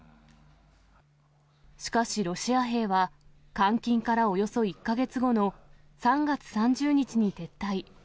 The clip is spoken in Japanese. しかし、ロシア兵は、監禁からおよそ１か月後の３月３０日に撤退。